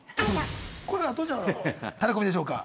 これはどちらのタレコミでしょうか？